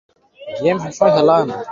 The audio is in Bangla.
হোয়াইট হাউসে যেতে দেরি হয়ে যাবে, প্লিজ।